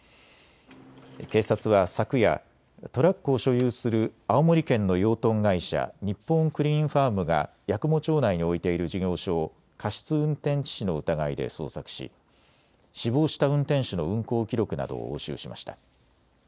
警察は昨夜、トラックを所有する青森県の養豚会社、日本クリーンファームが八雲町内に置いている事業所を過失運転致死の疑いで捜索し死亡した運転手の運行記録などを押収しました。